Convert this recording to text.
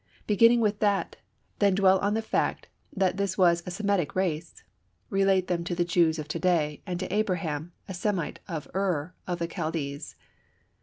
Beginning with that, then dwell on the fact that this was a Semitic race. Relate them to the Jews of to day, and to Abraham, a Semite from "Ur of the Chaldees."